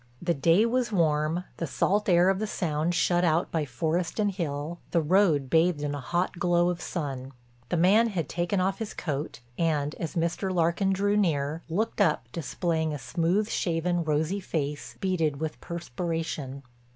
The day was warm, the salt air of the Sound shut out by forest and hill, the road bathed in a hot glow of sun. The man had taken off his coat, and, as Mr. Larkin drew near, looked up displaying a smooth shaven, rosy face, beaded with perspiration.